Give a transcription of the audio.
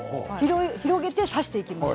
広げて挿していきます。